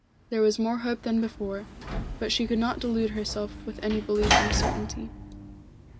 There was more hope than before, but she could not delude herself with any belief in a certainty.